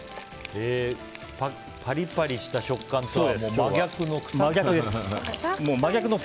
パリパリした食感とは真逆の。